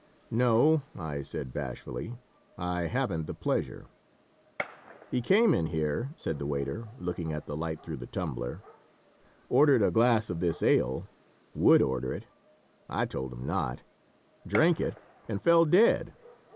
"No," I said, bashfully, "I haven't the pleasure " "He came in here," said the waiter, looking at the light through the tumbler, "ordered a glass of this ale would order it I told him not drank it, and fell dead.